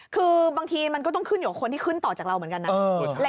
คือบางทีมันก็ต้องขึ้นอยู่กับคนที่ขึ้นต่อจากเราเหมือนกันนะ